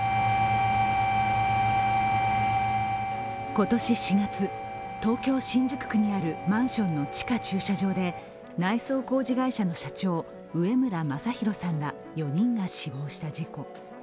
今年４月、東京・新宿区にあるマンションの地下駐車場で内装工事会社の社長上邨昌弘さんら４人が死亡した事故。